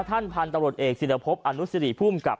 ท่านพันธ์ตำรวจเอกสินภพอนุสิริผู้มกับ